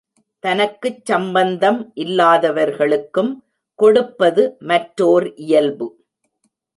தனக்குச் சம்பந்தம் இல்லாதவர்களுக்கும் கொடுப்பது மற்றோர் இயல்பு.